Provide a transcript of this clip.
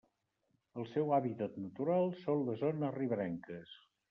El seu hàbitat natural són les zones riberenques.